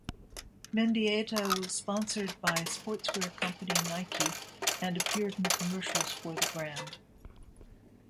Mendieta was sponsored by sportswear company Nike, and appeared in commercials for the brand.